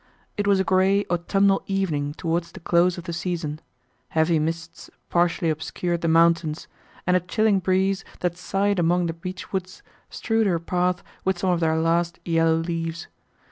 It was a grey autumnal evening towards the close of the season; heavy mists partially obscured the mountains, and a chilling breeze, that sighed among the beech woods, strewed her path with some of their last yellow leaves.